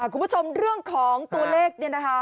คุณผู้ชมเรื่องของตัวเลขเนี่ยนะคะ